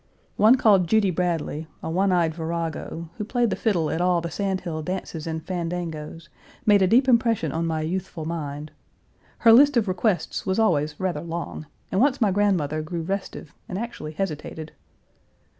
One called Judy Bradly, a one eyed virago, who played the fiddle at all the Sandhill dances and fandangoes, made a deep impression on my youthful mind. Her list of requests was always rather long, and once my grandmother grew restive and actually hesitated.